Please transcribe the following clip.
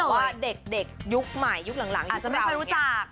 แต่ว่าเด็กยุคใหม่ยุคหลังอาจจะไม่ค่อยรู้จัก